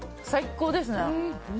最高ですね。